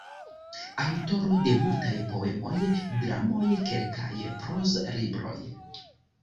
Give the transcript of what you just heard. Aŭtoro de multaj poemoj, dramoj, kelkaj proz-libroj.